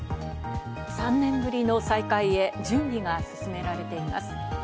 ３年ぶりの再会へ、準備が進められています。